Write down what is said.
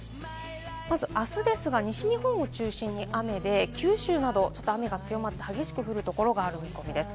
まず明日ですが、西日本を中心に雨で、九州など雨が強まり、激しく降るところがある見込みです。